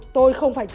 tôi không phải trả lời